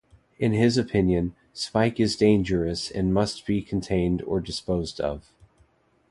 In his opinion, Spike is dangerous and must be contained or disposed of.